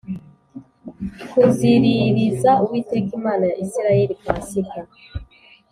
kuziriririza Uwiteka Imana ya Isirayeli Pasika